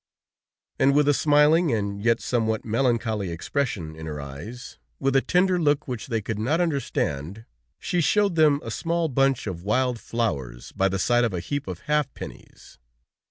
And with a smiling, and yet somewhat melancholy expression in her eyes, with a tender look which they could not understand, she showed them a small bunch of wild flowers, by the side of a heap of half pennies.